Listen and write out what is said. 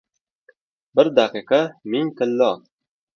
• Bir daqiqa — ming tillo.